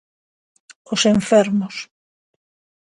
Os enfermos.